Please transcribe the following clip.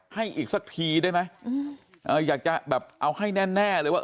อีกสักทีได้ไหมอยากจะแบบเอาให้แน่เลยว่า